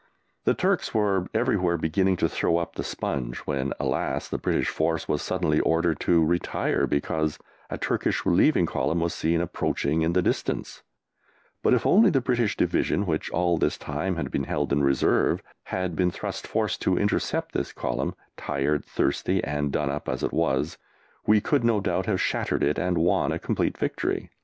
The Turks were everywhere beginning to throw up the sponge, when, alas, the British Force was suddenly ordered to retire because a Turkish relieving column was seen approaching in the distance; but if only the British Division, which all this time had been held in reserve, had been thrust forward to intercept this column, tired, thirsty, and done up as it was, we could, no doubt, have shattered it and won a complete victory.